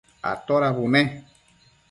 atoda bune?